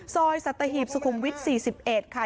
ซอยสัตหีพสุคุมวิทย์๔๑ค่ะ